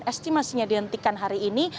estimasinya dihentikan hari ini